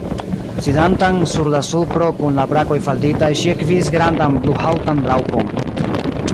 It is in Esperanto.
Sidantan sur la supro, kun la brakoj falditaj, ŝi ekvidis grandan bluhaŭtan raŭpon.